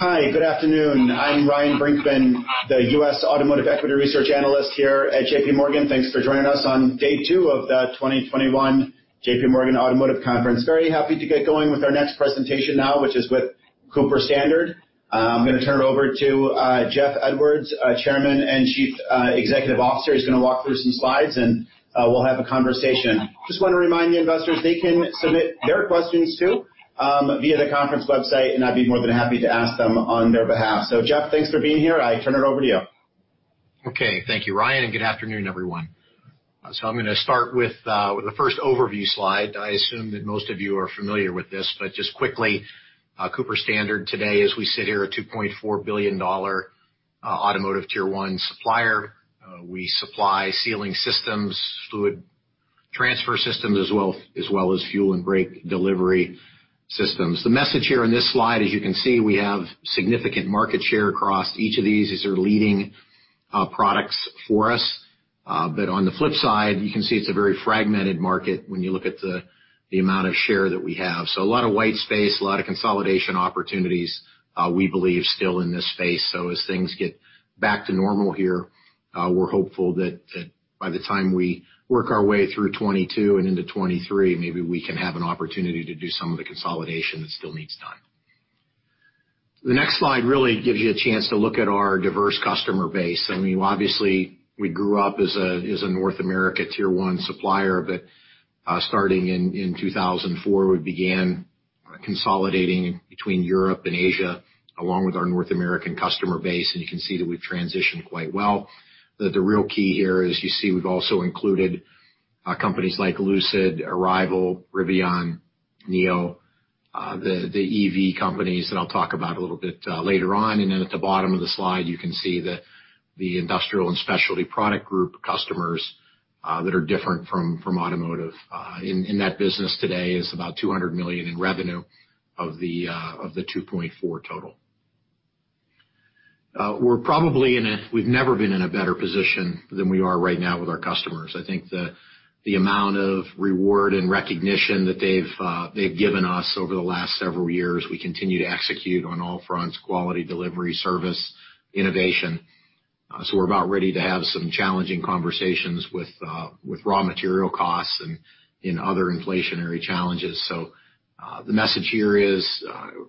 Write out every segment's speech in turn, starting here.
Hi. Good afternoon. I'm Ryan Brinkman, the U.S. Automotive Equity Research Analyst here at J.P. Morgan. Thanks for joining us on day two of the 2021 J.P. Morgan Automotive Conference. Very happy to get going with our next presentation now, which is with Cooper-Standard. I'm going to turn it over to Jeff Edwards, Chairman and Chief Executive Officer. He's going to walk through some slides and we'll have a conversation. Just want to remind the investors they can submit their questions too, via the conference website, and I'd be more than happy to ask them on their behalf. Jeff, thanks for being here. I turn it over to you. Okay. Thank you, Ryan, and good afternoon, everyone. I'm going to start with the first overview slide. I assume that most of you are familiar with this, but just quickly, Cooper-Standard today as we sit here, a $2.4 billion automotive Tier 1 supplier. We supply sealing systems, fluid transfer systems, as well as fuel and brake delivery systems. The message here in this slide, as you can see, we have significant market share across each of these. These are leading products for us. On the flip side, you can see it's a very fragmented market when you look at the amount of share that we have. A lot of white space, a lot of consolidation opportunities, we believe still in this space. As things get back to normal here, we're hopeful that by the time we work our way through 2022 and into 2023, maybe we can have an opportunity to do some of the consolidation that still needs done. The next slide really gives you a chance to look at our diverse customer base. I mean, obviously, we grew up as a North America Tier 1 supplier, but starting in 2004, we began consolidating between Europe and Asia along with our North American customer base, and you can see that we've transitioned quite well. The real key here is you see we've also included companies like Lucid, Arrival, Rivian, NIO, the EV companies that I'll talk about a little bit later on. Then at the bottom of the slide, you can see the industrial and specialty product group customers that are different from automotive. In that business today is about $200 million in revenue of the $2.4 total. We've never been in a better position than we are right now with our customers. I think the amount of reward and recognition that they've given us over the last several years, we continue to execute on all fronts, quality, delivery, service, innovation. We're about ready to have some challenging conversations with raw material costs and other inflationary challenges. The message here is,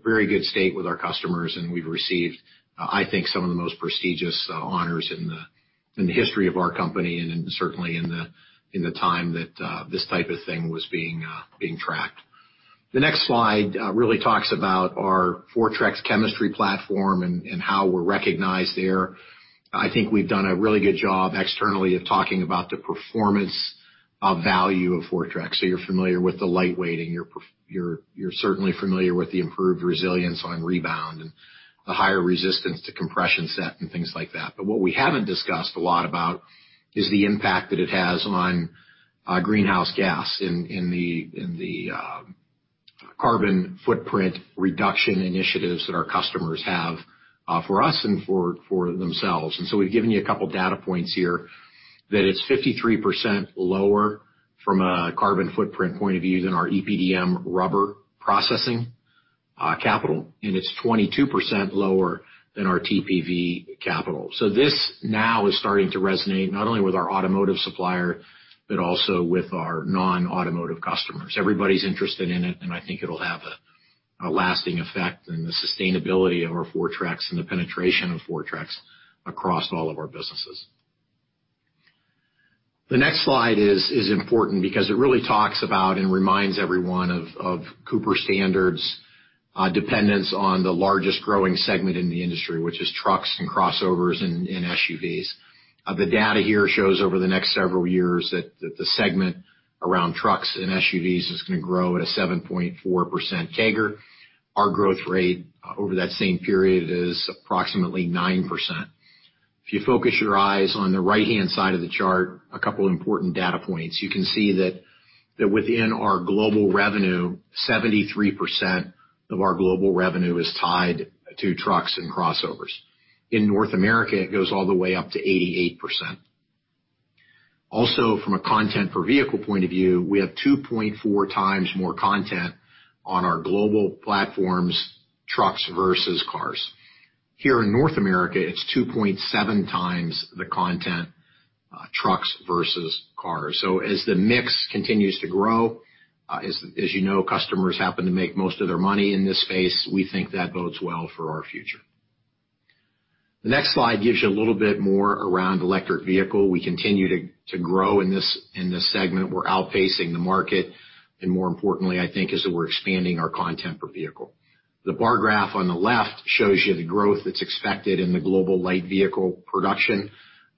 very good state with our customers and we've received, I think, some of the most prestigious honors in the history of our company, and certainly in the time that this type of thing was being tracked. The next slide really talks about our Fortrex chemistry platform and how we're recognized there. I think we've done a really good job externally of talking about the performance of value of Fortrex. You're familiar with the lightweighting. You're certainly familiar with the improved resilience on rebound and the higher resistance to compression set and things like that. What we haven't discussed a lot about is the impact that it has on greenhouse gas in the carbon footprint reduction initiatives that our customers have for us and for themselves. We've given you a couple data points here that it's 53% lower from a carbon footprint point of view than our EPDM rubber processing capital, and it's 22% lower than our TPV capital. This now is starting to resonate not only with our automotive supplier, but also with our non-automotive customers. Everybody's interested in it, and I think it'll have a lasting effect on the sustainability of our Fortrex and the penetration of Fortrex across all of our businesses. The next slide is important because it really talks about and reminds everyone of Cooper-Standard's dependence on the largest growing segment in the industry, which is trucks and crossovers and SUVs. The data here shows over the next several years that the segment around trucks and SUVs is going to grow at a 7.4% CAGR. Our growth rate over that same period is approximately 9%. If you focus your eyes on the right-hand side of the chart, a couple important data points. You can see that within our global revenue, 73% of our global revenue is tied to trucks and crossovers. In North America, it goes all the way up to 88%. Also, from a content per vehicle point of view, we have 2.4x more content on our global platforms, trucks versus cars. Here in North America, it's 2.7x the content, trucks versus cars. As the mix continues to grow, as you know, customers happen to make most of their money in this space. We think that bodes well for our future. The next slide gives you a little bit more around electric vehicle. We continue to grow in this segment. We're outpacing the market, and more importantly, I think, is that we're expanding our content per vehicle. The bar graph on the left shows you the growth that's expected in the global light vehicle production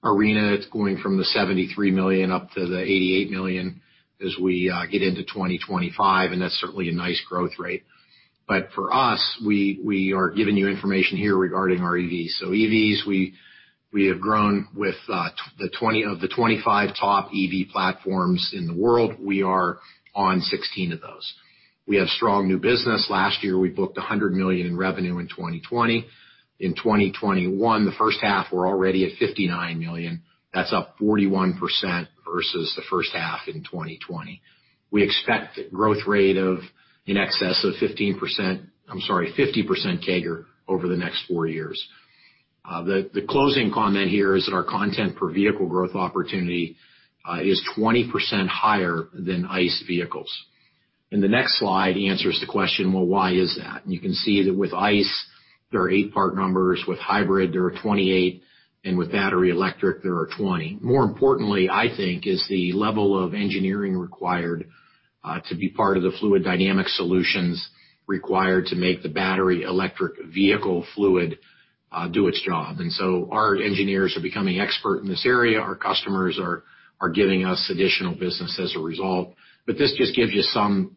arena. It's going from the 73 million up to the 88 million as we get into 2025, and that's certainly a nice growth rate. For us, we are giving you information here regarding our EVs. EVs, we have grown with of the 25 top EV platforms in the world, we are on 16 of those. We have strong new business. Last year, we booked $100 million in revenue in 2020. In 2021, the first half, we're already at $59 million. That's up 41% versus the first half in 2020. We expect growth rate in excess of 15%, I'm sorry, 50% CAGR over the next four years. The closing comment here is that our content per vehicle growth opportunity is 20% higher than ICE vehicles. The next slide answers the question, well, why is that? You can see that with ICE, there are eight part numbers, with hybrid, there are 28, and with battery electric, there are 20. More importantly, I think, is the level of engineering required to be part of the fluid dynamic solutions required to make the battery electric vehicle fluid do its job. Our engineers are becoming expert in this area. Our customers are giving us additional business as a result. This just gives you some,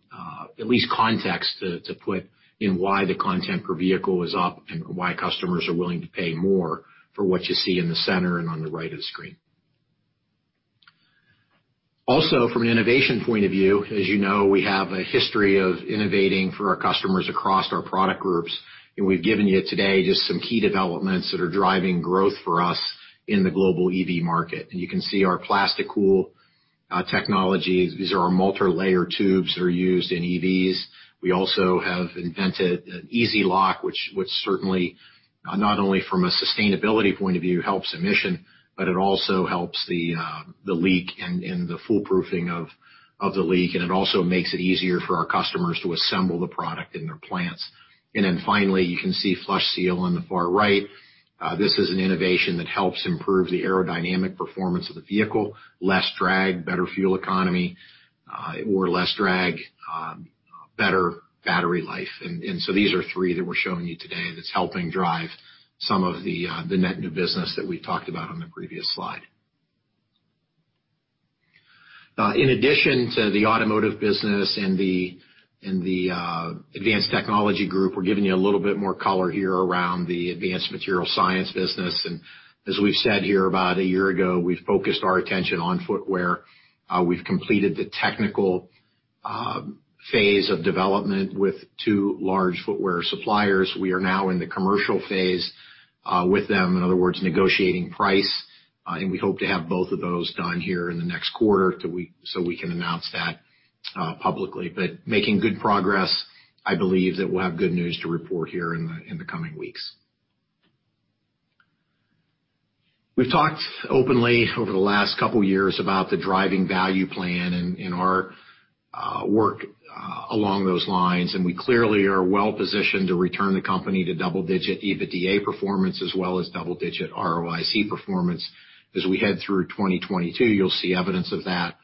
at least context to put in why the content per vehicle is up and why customers are willing to pay more for what you see in the center and on the right of the screen. Also, from an innovation point of view, as you know, we have a history of innovating for our customers across our product groups. We've given you today just some key developments that are driving growth for us in the global EV market. You can see our PlastiCool technology. These are our multilayer tubes that are used in EVs. We also have invented an Easy-Lock, which certainly not only from a sustainability point of view helps emission, but it also helps the leak and the foolproofing of the leak. It also makes it easier for our customers to assemble the product in their plants. Finally, you can see FlushSeal on the far right. This is an innovation that helps improve the aerodynamic performance of the vehicle. Less drag, better fuel economy, or less drag, better battery life. These are three that we're showing you today that's helping drive some of the net new business that we talked about on the previous slide. In addition to the automotive business and the Advanced Technology Group, we're giving you a little bit more color here around the Advanced Material Science business. As we've said here about a year ago, we've focused our attention on footwear. We've completed the technical phase of development with two large footwear suppliers. We are now in the commercial phase with them, in other words, negotiating price. We hope to have both of those done here in the next quarter so we can announce that publicly. Making good progress, I believe that we'll have good news to report here in the coming weeks. We've talked openly over the last two years about the Driving Value Plan and our work along those lines. We clearly are well positioned to return the company to double-digit EBITDA performance as well as double-digit ROIC performance. As we head through 2022, you'll see evidence of that.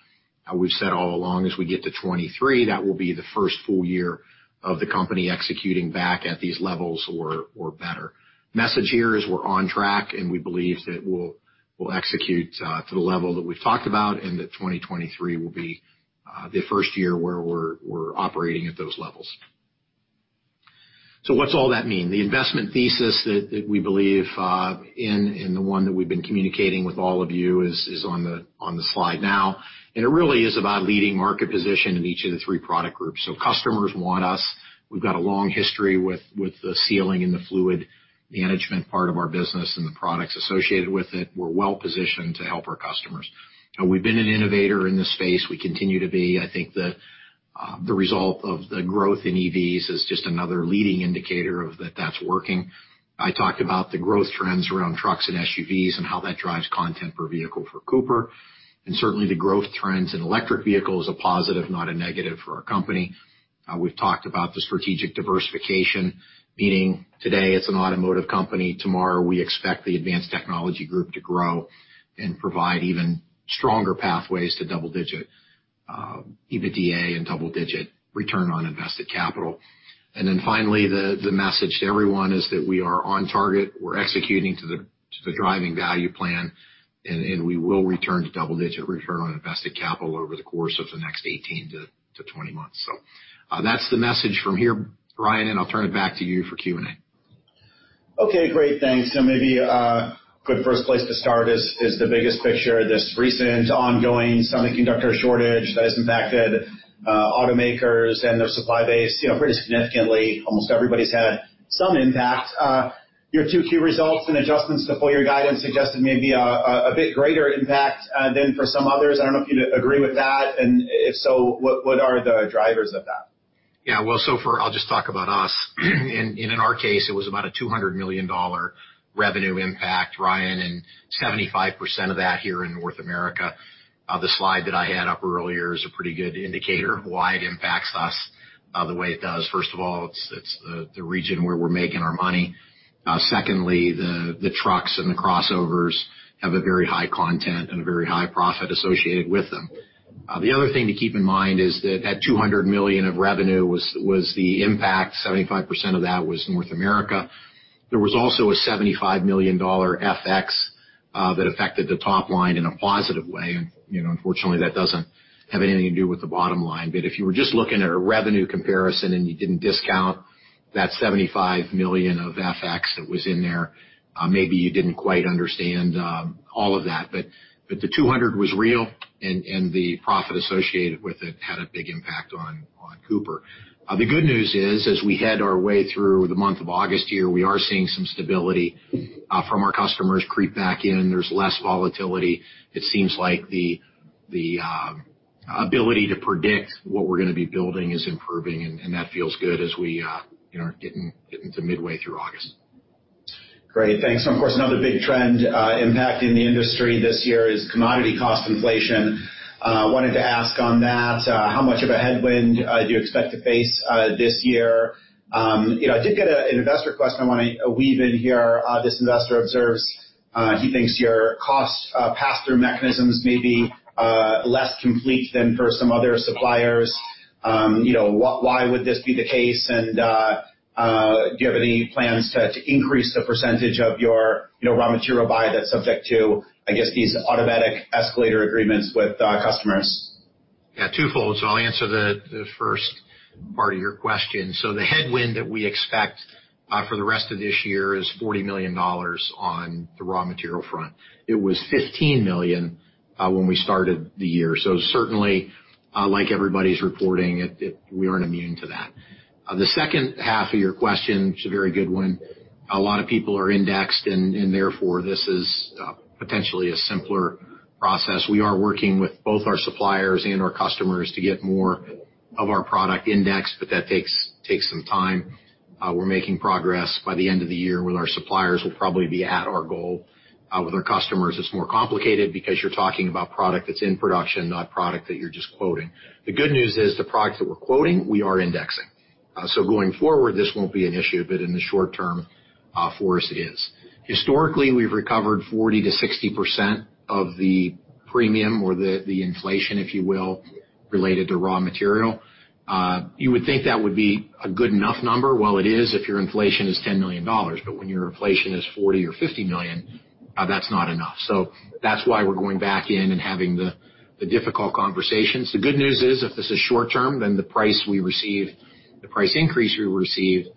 We've said all along as we get to 2023, that will be the first full year of the company executing back at these levels or better. Message here is we're on track, and we believe that we'll execute to the level that we've talked about and that 2023 will be the first year where we're operating at those levels. What's all that mean? The investment thesis that we believe in and the one that we've been communicating with all of you is on the slide now. It really is about leading market position in each of the three product groups. Customers want us. We've got a long history with the sealing systems and the fluid transfer systems part of our business and the products associated with it. We're well positioned to help our customers. We've been an innovator in this space. We continue to be. I think the result of the growth in EVs is just another leading indicator of that that's working. I talked about the growth trends around trucks and SUVs and how that drives content per vehicle for Cooper-Standard. Certainly, the growth trends in electric vehicles are positive, not a negative for our company. We've talked about the strategic diversification, meaning today it's an automotive company. Tomorrow, we expect the Advanced Technology Group to grow and provide even stronger pathways to double-digit EBITDA and double-digit return on invested capital. Finally, the message to everyone is that we are on target. We're executing to the Driving Value Plan, and we will return to double-digit return on invested capital over the course of the next 18-20 months. That's the message from here. Ryan, I'll turn it back to you for Q&A. Okay, great. Thanks. Maybe a good first place to start is the biggest picture, this recent ongoing semiconductor shortage that has impacted automakers and their supply base pretty significantly. Almost everybody's had some impact. Your 2Q results and adjustments to full year guidance suggested maybe a bit greater impact than for some others. I don't know if you'd agree with that. If so, what are the drivers of that? Well, so far, I'll just talk about us. In our case, it was about a $200 million revenue impact, Ryan, and 75% of that here in North America. The slide that I had up earlier is a pretty good indicator of why it impacts us the way it does. First of all, it's the region where we're making our money. Secondly, the trucks and the crossovers have a very high content and a very high profit associated with them. The other thing to keep in mind is that that $200 million of revenue was the impact. 75% of that was North America. There was also a $75 million FX that affected the top line in a positive way. Unfortunately, that doesn't have anything to do with the bottom line. If you were just looking at a revenue comparison and you didn't discount that $75 million of FX that was in there, maybe you didn't quite understand all of that. The $200 was real and the profit associated with it had a big impact on Cooper-Standard. The good news is, as we head our way through the month of August here, we are seeing some stability from our customers creep back in. There's less volatility. It seems like the ability to predict what we're going to be building is improving, and that feels good as we are getting to midway through August. Great. Thanks. Another big trend impacting the industry this year is commodity cost inflation. I wanted to ask on that, how much of a headwind do you expect to face this year? I did get an investor question I want to weave in here. This investor observes he thinks your cost pass-through mechanisms may be less complete than for some other suppliers. Why would this be the case? Do you have any plans to increase the percentage of your raw material buy that's subject to, I guess, these automatic escalator agreements with customers? Twofold. I'll answer the first part of your question. The headwind that we expect for the rest of this year is $40 million on the raw material front. It was $15 million when we started the year. Certainly, like everybody's reporting, we aren't immune to that. The second half of your question, which is a very good one, a lot of people are indexed, and therefore, this is potentially a simpler process. We are working with both our suppliers and our customers to get more of our product indexed, but that takes some time. We're making progress. By the end of the year with our suppliers, we'll probably be at our goal. With our customers, it's more complicated because you're talking about product that's in production, not product that you're just quoting. The good news is the products that we're quoting, we are indexing. Going forward, this won't be an issue, but in the short-term, for us, it is. Historically, we've recovered 40%-60% of the premium or the inflation, if you will, related to raw material. You would think that would be a good enough number. Well, it is if your inflation is $10 million, but when your inflation is $40 or $50 million, that's not enough. That's why we're going back in and having the difficult conversations. The good news is, if this is short-term, the price increase we receive,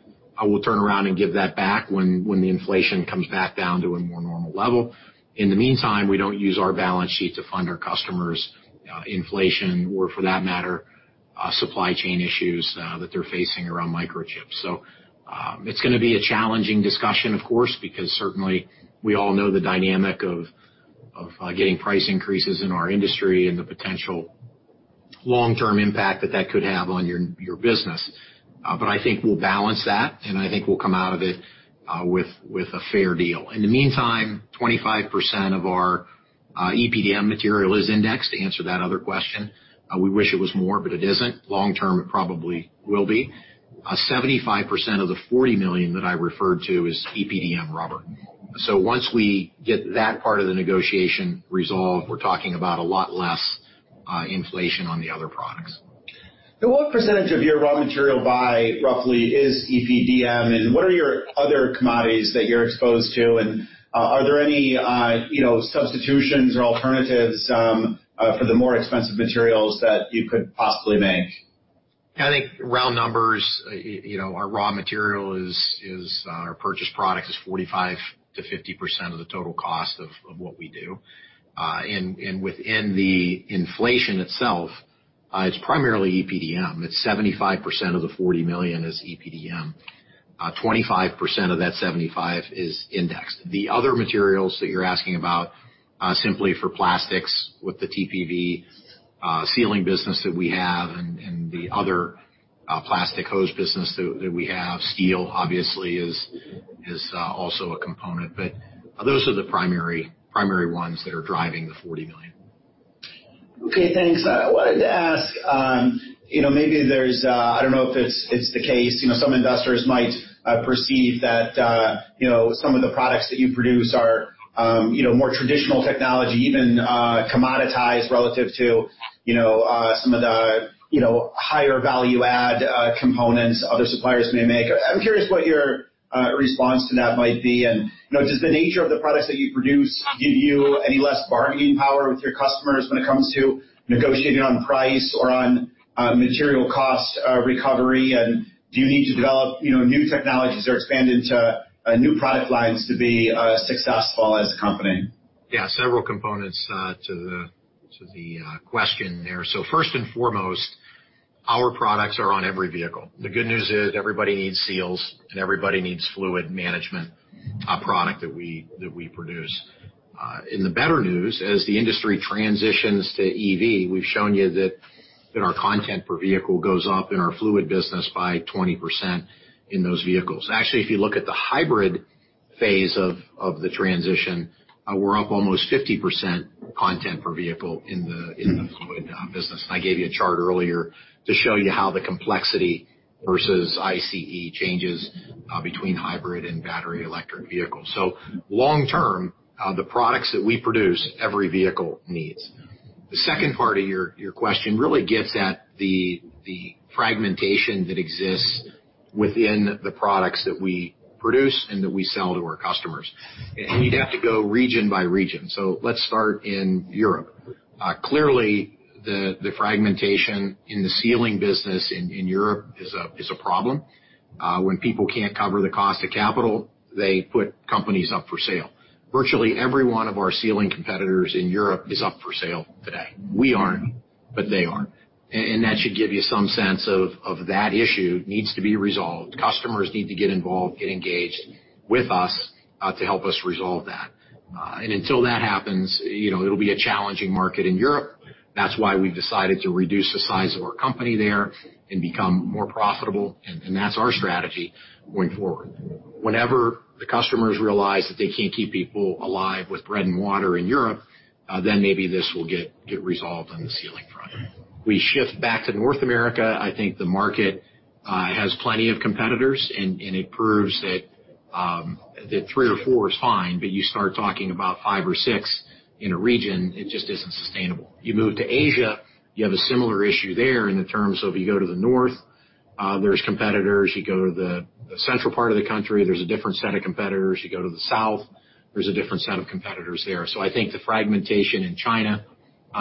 we'll turn around and give that back when the inflation comes back down to a more normal level. In the meantime, we don't use our balance sheet to fund our customers' inflation or for that matter supply chain issues that they're facing around microchips. It's going to be a challenging discussion, of course, because certainly we all know the dynamic of getting price increases in our industry and the potential long-term impact that that could have on your business. I think we'll balance that, and I think we'll come out of it with a fair deal. In the meantime, 25% of our EPDM material is indexed, to answer that other question. We wish it was more, but it isn't. Long-term, it probably will be. 75% of the $40 million that I referred to is EPDM rubber. Once we get that part of the negotiation resolved, we're talking about a lot less inflation on the other products. What percentage of your raw material buy roughly is EPDM, and what are your other commodities that you're exposed to? Are there any substitutions or alternatives for the more expensive materials that you could possibly make? I think round numbers, our raw material is our purchased product is 45%-50% of the total cost of what we do. Within the inflation itself, it's primarily EPDM. 75% of the $40 million is EPDM. 25% of that 75% is indexed. The other materials that you're asking about simply for plastics with the TPV sealing business that we have and the other plastic hose business that we have. Steel obviously is also a component, those are the primary ones that are driving the $40 million. Okay, thanks. I wanted to ask, I don't know if it's the case. Some investors might perceive that some of the products that you produce are more traditional technology, even commoditized relative to some of the higher value add components other suppliers may make. I'm curious what your response to that might be. Does the nature of the products that you produce give you any less bargaining power with your customers when it comes to negotiating on price or on material cost recovery? Do you need to develop new technologies or expand into new product lines to be as successful as a company? Yeah, several components to the question there. First and foremost, our products are on every vehicle. The good news is everybody needs seals and everybody needs fluid management product that we produce. The better news, as the industry transitions to EV, we've shown you that our content per vehicle goes up in our fluid business by 20% in those vehicles. Actually, if you look at the hybrid phase of the transition, we're up almost 50% content per vehicle in the fluid business. I gave you a chart earlier to show you how the complexity versus ICE changes between hybrid and battery electric vehicles. Long-term, the products that we produce, every vehicle needs. The second part of your question really gets at the fragmentation that exists within the products that we produce and that we sell to our customers. You'd have to go region by region. Let's start in Europe. Clearly, the fragmentation in the sealing business in Europe is a problem. When people can't cover the cost of capital, they put companies up for sale. Virtually every one of our sealing competitors in Europe is up for sale today. We aren't, but they aren't, that should give you some sense of that issue needs to be resolved. Customers need to get involved, get engaged with us to help us resolve that. Until that happens, it'll be a challenging market in Europe. That's why we've decided to reduce the size of our company there and become more profitable, that's our strategy going forward. Whenever the customers realize that they can't keep people alive with bread and water in Europe, then maybe this will get resolved on the sealing front. We shift back to North America. I think the market has plenty of competitors, and it proves that three or four is fine, but you start talking about five or six in a region, it just isn't sustainable. You move to Asia, you have a similar issue there in the terms of you go to the north, there's competitors. You go to the central part of the country, there's a different set of competitors. You go to the south, there's a different set of competitors there. I think the fragmentation in China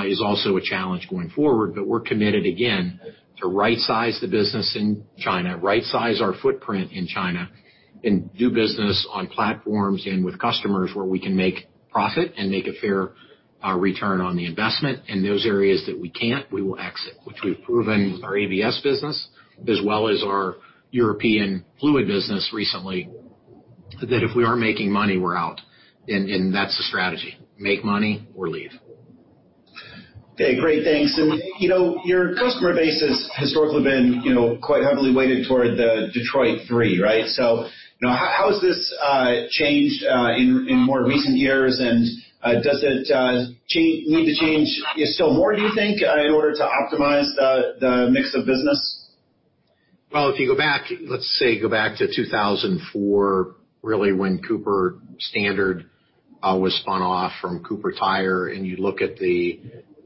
is also a challenge going forward. We're committed, again, to rightsize the business in China, rightsize our footprint in China, and do business on platforms and with customers where we can make profit and make a fair return on the investment. Those areas that we can't, we will exit, which we've proven with our AVS business as well as our European fluid business recently, that if we aren't making money, we're out. That's the strategy, make money or leave. Okay, great. Thanks. Your customer base has historically been quite heavily weighted toward the Detroit Three, right? How has this changed in more recent years, and does it need to change still more, do you think, in order to optimize the mix of business? If you go back to 2004, really when Cooper-Standard was spun off from Cooper Tire, and you look at the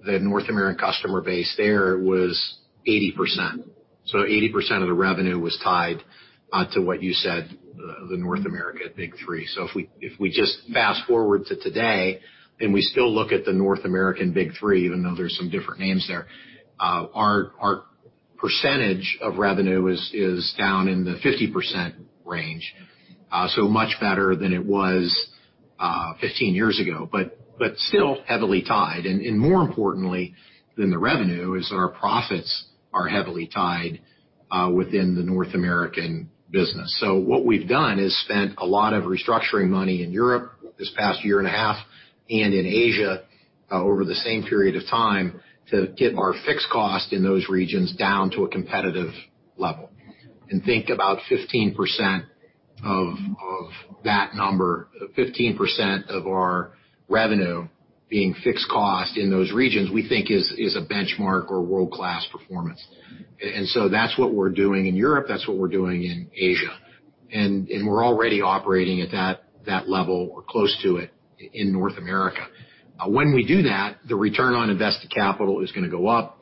North American customer base there, it was 80%. 80% of the revenue was tied to what you said, the North America Big Three. If we just fast-forward to today and we still look at the North American Big Three, even though there's some different names there, our percentage of revenue is down in the 50% range. Much better than it was 15 years ago, but still heavily tied. More importantly than the revenue is our profits are heavily tied within the North American business. What we've done is spent a lot of restructuring money in Europe this past year and a half and in Asia over the same period of time to get our fixed cost in those regions down to a competitive level. Think about 15% of that number, 15% of our revenue being fixed cost in those regions, we think is a benchmark or world-class performance. That's what we're doing in Europe, that's what we're doing in Asia. We're already operating at that level or close to it in North America. When we do that, the return on invested capital is going to go up.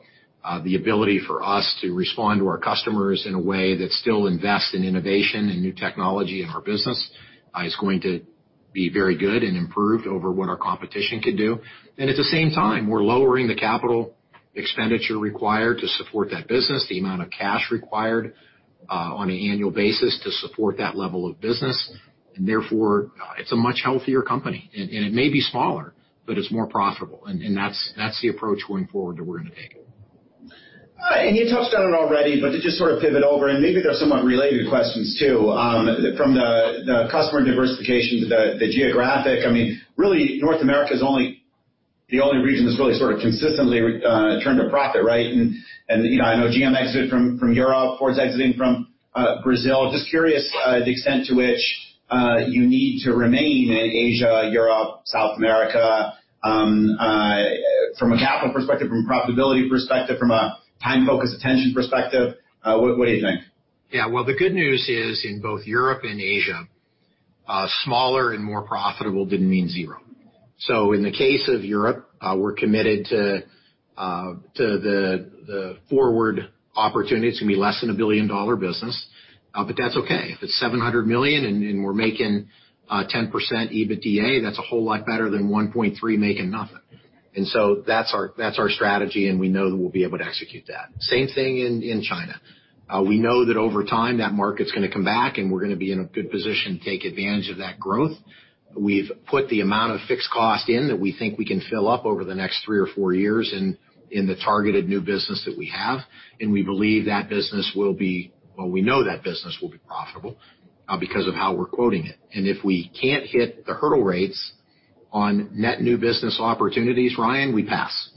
The ability for us to respond to our customers in a way that still invests in innovation and new technology in our business is going to be very good and improved over what our competition can do. At the same time, we're lowering the capital expenditure required to support that business, the amount of cash required on an annual basis to support that level of business. Therefore, it's a much healthier company. It may be smaller, but it's more profitable. That's the approach going forward that we're going to take. All right. You touched on it already, but to just sort of pivot over, and maybe they're somewhat related questions too from the customer diversification to the geographic. Really North America is the only region that's really sort of consistently turned a profit, right? I know GM exited from Europe, Ford's exiting from Brazil. Just curious the extent to which you need to remain in Asia, Europe, South America from a capital perspective, from a profitability perspective, from a time, focus, attention perspective. What do you think? Yeah. Well, the good news is in both Europe and Asia, smaller and more profitable didn't mean zero. In the case of Europe, we're committed to the forward opportunity. It's going to be less than a billion-dollar business, but that's okay. If it's $700 million and we're making 10% EBITDA, that's a whole lot better than $1.3 making nothing. That's our strategy, and we know that we'll be able to execute that. Same thing in China. We know that over time, that market's going to come back, and we're going to be in a good position to take advantage of that growth. We've put the amount of fixed cost in that we think we can fill up over the next three or four years in the targeted new business that we have. Well, we know that business will be profitable because of how we're quoting it. If we can't hit the hurdle rates on net new business opportunities, Ryan, we pass.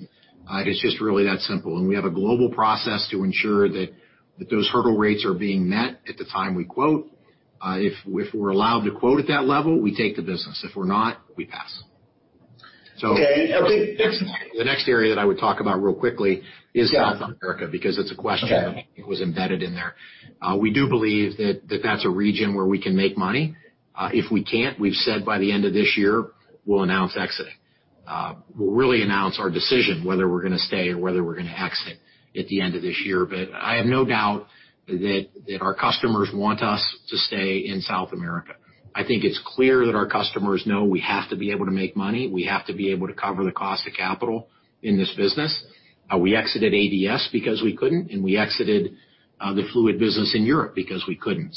It's just really that simple. We have a global process to ensure that those hurdle rates are being met at the time we quote. If we're allowed to quote at that level, we take the business. If we're not, we pass. Okay. The next area that I would talk about real quickly is South America, because it's a question, it was embedded in there. We do believe that's a region where we can make money. If we can't, we've said by the end of this year, we'll announce exiting. We'll really announce our decision whether we're going to stay or whether we're going to exit at the end of this year. I have no doubt that our customers want us to stay in South America. I think it's clear that our customers know we have to be able to make money. We have to be able to cover the cost of capital in this business. We exited AVS because we couldn't, and we exited the fluid business in Europe because we couldn't.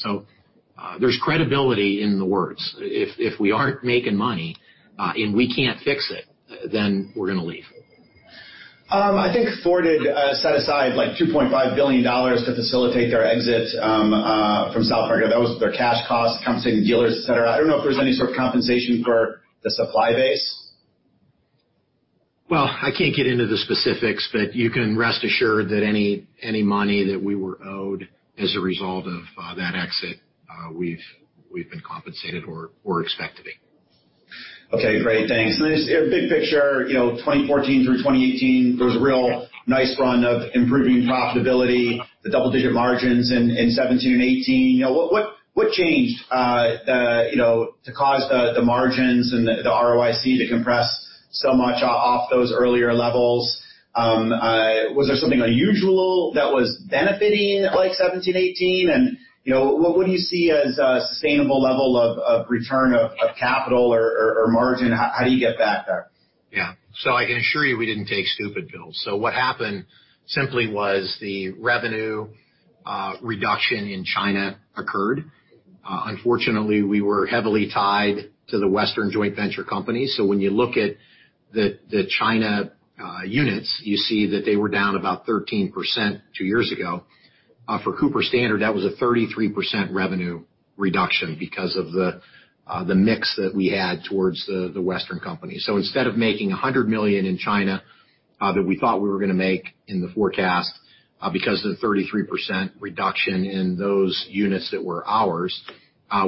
There's credibility in the words. If we aren't making money, and we can't fix it, then we're going to leave. I think Ford set aside $2.5 billion to facilitate their exit from South America. That was their cash cost, compensating dealers, et cetera. I don't know if there's any sort of compensation for the supply base. I can't get into the specifics, but you can rest assured that any money that we were owed as a result of that exit, we've been compensated or expect to be. Okay, great. Thanks. Just big picture, 2014 through 2018, there was a real nice run of improving profitability, the double-digit margins in 2017 and 2018. What changed to cause the margins and the ROIC to compress so much off those earlier levels? Was there something unusual that was benefiting 2017, 2018? What do you see as a sustainable level of return of capital or margin? How do you get back there? Yeah. I can assure you we didn't take stupid pills. What happened simply was the revenue reduction in China occurred. Unfortunately, we were heavily tied to the Western joint venture companies. When you look at the China units, you see that they were down about 13% two years ago. For Cooper-Standard, that was a 33% revenue reduction because of the mix that we had towards the Western companies. Instead of making $100 million in China that we thought we were going to make in the forecast, because of the 33% reduction in those units that were ours,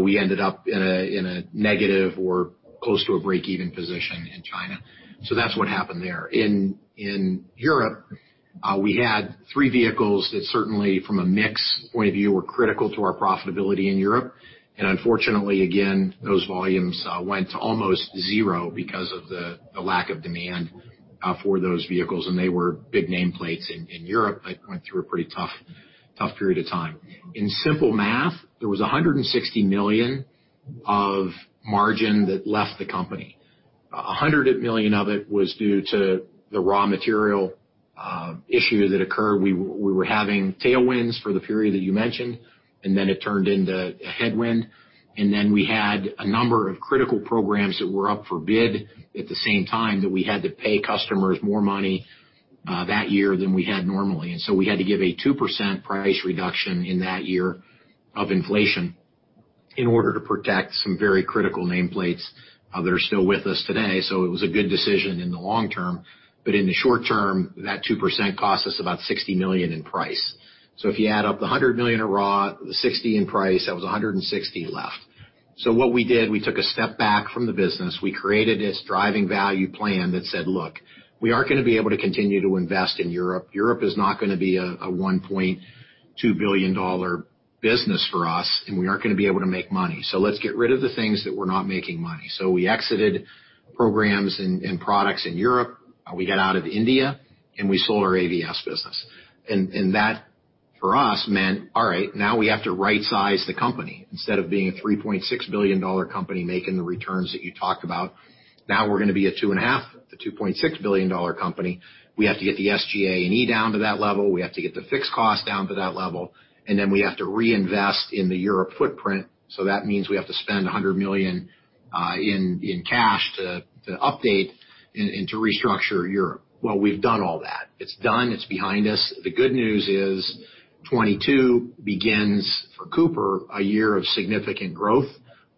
we ended up in a negative or close to a break-even position in China. That's what happened there. In Europe, we had three vehicles that certainly from a mix point of view, were critical to our profitability in Europe. Unfortunately, again, those volumes went to almost zero because of the lack of demand for those vehicles, and they were big nameplates in Europe that went through a pretty tough period of time. In simple math, there was $160 million of margin that left the company. $100 million of it was due to the raw material issue that occurred. We were having tailwinds for the period that you mentioned, and then it turned into a headwind. We had a number of critical programs that were up for bid at the same time that we had to pay customers more money that year than we had normally. We had to give a 2% price reduction in that year of inflation in order to protect some very critical nameplates that are still with us today. It was a good decision in the long-term, but in the short term, that 2% cost us about $60 million in price. If you add up the $100 million in raw, the $60 in price, that was $160 left. What we did, we took a step back from the business. We created this Driving Value Plan that said, "Look, we aren't going to be able to continue to invest in Europe. Europe is not going to be a $1.2 billion business for us, and we aren't going to be able to make money. Let's get rid of the things that we're not making money." We exited programs and products in Europe, we got out of India, and we sold our AVS business. That for us meant, all right, now we have to right-size the company. Instead of being a $3.6 billion company making the returns that you talked about, now we're going to be a $2.5 billion-$2.6 billion company. We have to get the SG&A and E down to that level. We have to get the fixed cost down to that level. Then we have to reinvest in the Europe footprint, that means we have to spend $100 million in cash to update and to restructure Europe. Well, we've done all that. It's done. It's behind us. The good news is 2022 begins, for Cooper-Standard, a year of significant growth.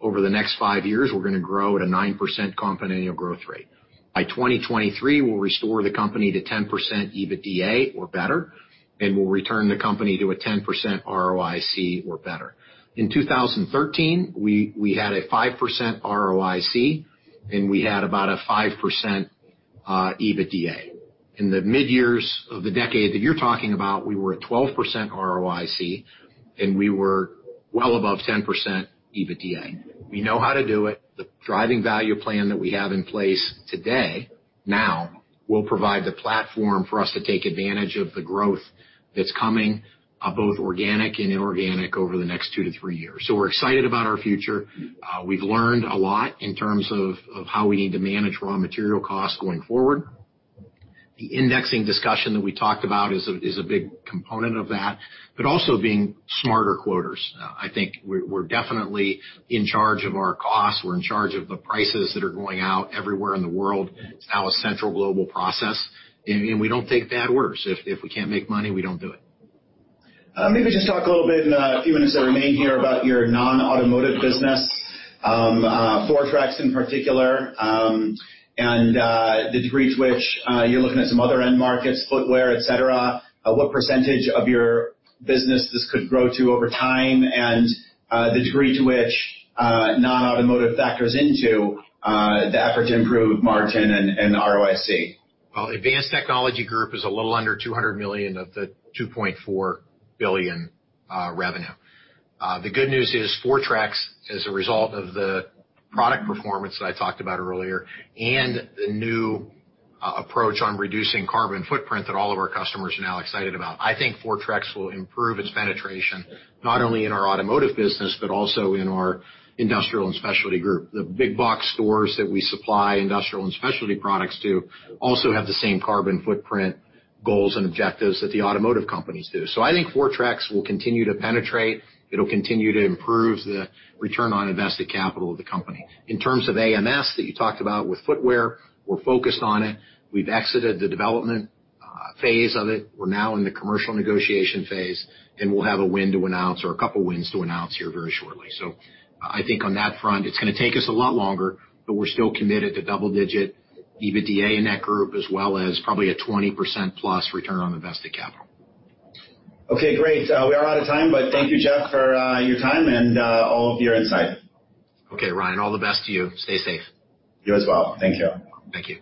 Over the next five years, we're going to grow at a 9% compound annual growth rate. By 2023, we'll restore the company to 10% EBITDA or better, and we'll return the company to a 10% ROIC or better. In 2013, we had a 5% ROIC, and we had about a 5% EBITDA. In the mid-years of the decade that you're talking about, we were at 12% ROIC, and we were well above 10% EBITDA. We know how to do it. The Driving Value Plan that we have in place today, now, will provide the platform for us to take advantage of the growth that's coming, both organic and inorganic, over the next two to three years. We're excited about our future. We've learned a lot in terms of how we need to manage raw material costs going forward. The indexing discussion that we talked about is a big component of that, but also being smarter quoters. I think we're definitely in charge of our costs. We're in charge of the prices that are going out everywhere in the world. It's now a central global process, and we don't take bad orders. If we can't make money, we don't do it. Maybe just talk a little bit in the few minutes that remain here about your non-automotive business, Fortrex in particular, and the degree to which you're looking at some other end markets, footwear, et cetera. What percentage of your business this could grow to over time and the degree to which non-automotive factors into the effort to improve margin and ROIC? Advanced Technology Group is a little under $200 million of the $2.4 billion revenue. The good news is Fortrex, as a result of the product performance that I talked about earlier and the new approach on reducing carbon footprint that all of our customers are now excited about. I think Fortrex will improve its penetration not only in our automotive business but also in our industrial and specialty group. The big box stores that we supply industrial and specialty products to also have the same carbon footprint goals and objectives that the automotive companies do. I think Fortrex will continue to penetrate. It'll continue to improve the return on invested capital of the company. In terms of AMS that you talked about with footwear, we're focused on it. We've exited the development phase of it. We're now in the commercial negotiation phase, and we'll have a win to announce or a couple of wins to announce here very shortly. I think on that front, it's going to take us a lot longer, but we're still committed to double-digit EBITDA in that group, as well as probably a 20%+ return on invested capital. Okay, great. We are out of time. Thank you, Jeff, for your time and all of your insight. Okay, Ryan, all the best to you. Stay safe. You as well. Thank you. Thank you.